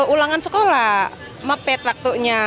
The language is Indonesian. ulangan sekolah mepet waktunya